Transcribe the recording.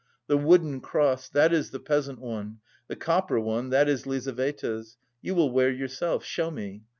The wooden cross, that is the peasant one; the copper one, that is Lizaveta's you will wear yourself, show me!